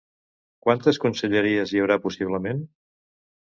Quantes conselleries hi haurà possiblement?